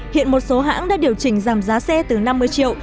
hiện một số hãng đã điều chỉnh giảm giá xe từ năm mươi triệu